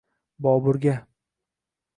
Boburga.